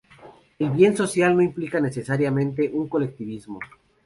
El bien social no implica necesariamente un colectivismo.